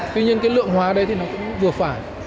tuy nhiên cái lượng hóa đấy thì nó cũng vừa phải